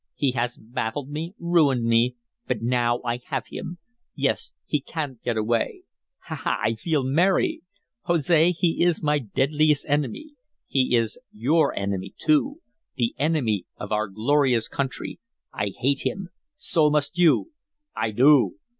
He has baffled me, ruined me, but now I have him! Yes, he can't get away! Ha! ha! I feel merry. Jose, he is my deadliest enemy; he is your enemy, too, the enemy of our glorious country. I hate him so must you." "I do!"